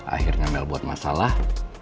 akhirnya mel buat masalah